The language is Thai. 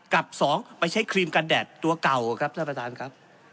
กับสองไปใช้ครีมกันแดดตัวเก่าครับท่านประธานครับ